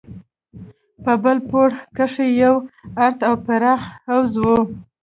په بل پوړ کښې يو ارت او پراخ حوض و.